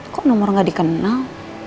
kok nomor gak dikenal